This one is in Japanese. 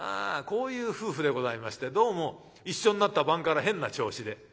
こういう夫婦でございましてどうも一緒になった晩から変な調子で。